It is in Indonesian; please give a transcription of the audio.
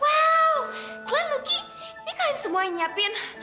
wow kalian semua yang nyiapin